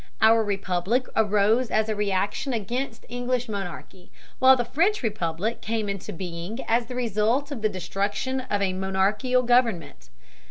Our republic arose as a reaction against English monarchy, while the French republic came into being as the result of the destruction of a monarchical government.